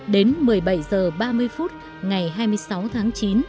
đến một mươi bảy h ba mươi phút ngày hai mươi sáu tháng chín